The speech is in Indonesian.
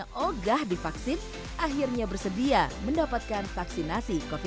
sudah divaksin akhirnya bersedia mendapatkan vaksinasi masseclin ini